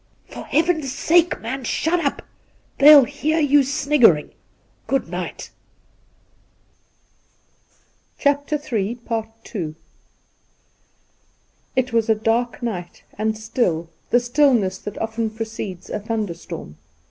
'' For Heaven's sake, man, shut up ! They'll hear you sniggering. Good night!' Induna Nairn loi II. It was a dark night and still— the stillness that often precedes a thunderstorm.